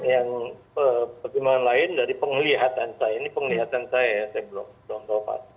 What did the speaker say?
yang pertimbangan lain dari pengelihatan saya ini pengelihatan saya ya saya belum tahu pasti